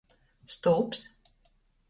Stūps.